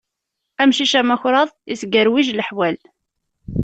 Amcic amakṛaḍ, isgerwij leḥwal.